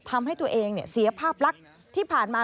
ทำให้ตัวเองเสียภาพลักษณ์ที่ผ่านมา